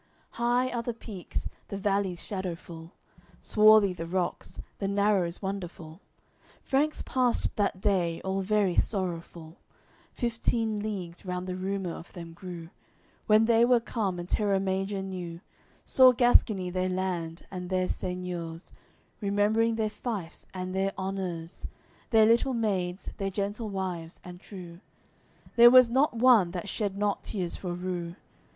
AOI. LXVI High are the peaks, the valleys shadowful, Swarthy the rocks, the narrows wonderful. Franks passed that day all very sorrowful, Fifteen leagues round the rumour of them grew. When they were come, and Terra Major knew, Saw Gascony their land and their seigneur's, Remembering their fiefs and their honours, Their little maids, their gentle wives and true; There was not one that shed not tears for rue.